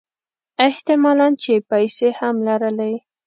احت مالًا چې پیسې هم لرلې.